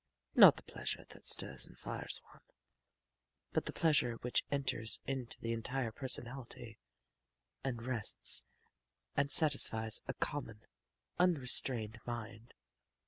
Not the pleasure that stirs and fires one, but the pleasure which enters into the entire personality, and rests and satisfies a common, unstrained mind.